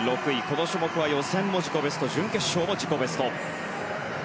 この種目は予選も自己ベスト準決勝も自己ベスト。